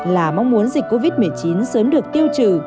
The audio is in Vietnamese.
là mong muốn dịch covid một mươi chín sớm được tiêu trừ